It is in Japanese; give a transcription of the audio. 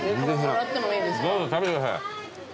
どうぞ食べてください。